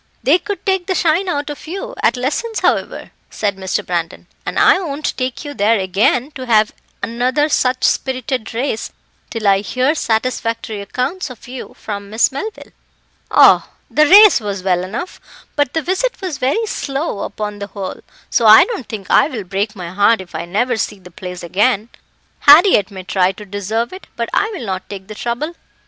"They could take the shine out of you at lessons, however," said Mr. Brandon, "and I won't take you there again to have another such spirited race till I hear satisfactory accounts of you from Miss Melville." "Oh! the race was well enough, but the visit was very slow upon the whole, so I don't think I will break my heart if I never see the place again. Harriett may try to deserve it, but I will not take the trouble."